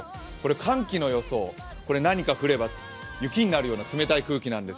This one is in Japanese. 寒気の予想、何か降れば雪になるような冷たい空気です。